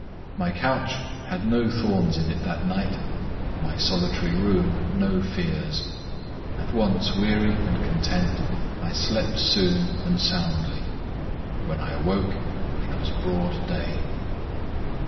My couch had no thorns in it that night; my solitary room no fears. At once weary and content, I slept soon and soundly: when I awoke it was broad day.